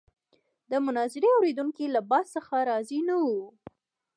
د مناظرې اورېدونکي له بحث څخه راضي نه وو.